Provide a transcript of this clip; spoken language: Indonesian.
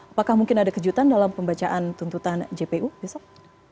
apakah mungkin ada kejutan dalam pembacaan tuntutan jpu besok